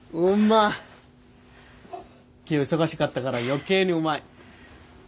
今日忙しかったから余計にうまい。